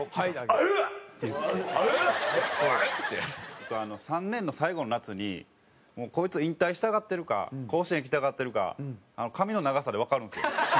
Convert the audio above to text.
僕３年の最後の夏にもうこいつ引退したがってるか甲子園行きたがってるか髪の長さでわかるんですよ。